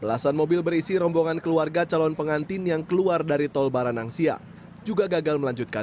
belasan mobil berisi rombongan keluarga calon pengantin yang keluar dari tol baranangsia juga gagal melanjutkan